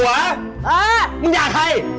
เออมึงอยากให้